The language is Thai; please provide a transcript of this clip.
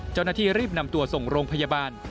เจ้าหน้าที่รีบนำตัวส่งโรงพยาบาล